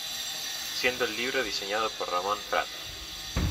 Siendo el libro diseñado por Ramón Prat.